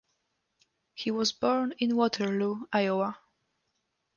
He was born in Waterloo, Iowa.